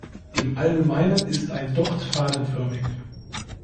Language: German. Im Allgemeinen ist ein Docht fadenförmig.